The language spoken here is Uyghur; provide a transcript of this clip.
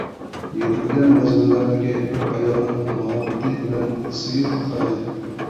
يېتىلىگەن مەزگىللەردىكى بىر ئايالنىڭ مۇھەببىتى بىلەن سۆيۈپ قارىدى.